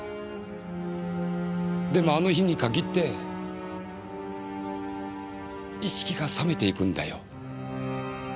でもあの日に限って意識が覚めていくんだよ。